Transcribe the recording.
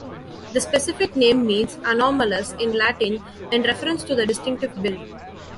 The specific name means "anomalous" in Latin, in reference to the distinctive build.